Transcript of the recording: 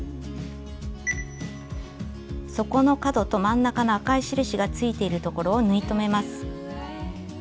底の角と真ん中の赤い印がついているところを縫い留めます。